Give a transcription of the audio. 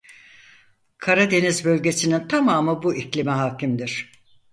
Karadeniz Bölgesi'nin tamamı bu iklime hakimdir.